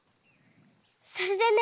それでね。